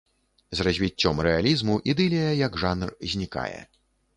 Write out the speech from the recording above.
З развіццём рэалізму ідылія як жанр знікае.